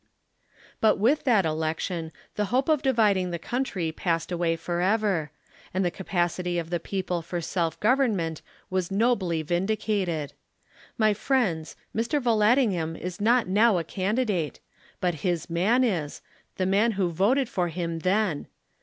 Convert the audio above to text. But with that election, the hope of dividing the coun try passed away forever; and the capacity of the people for self government was nobly vindicated. My friends, :Mr. Yallandigham is not now a candidate, but his man is, the man who voted for him then.